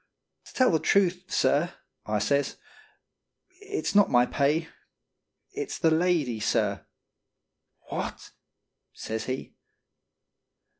"To tell the truth, sir," I says, "it's not my pay it's the lady, sir." "What!" says he.